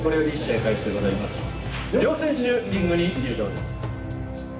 両選手リングに入場です！」。